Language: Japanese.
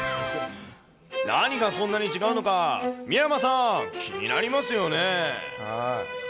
何がそんなに違うのか、三山さん、気になりますよね？